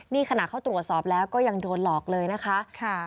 นี่ขณะเขาตรวจสอบแล้วก็ยังโดนหลอกเลยนะคะ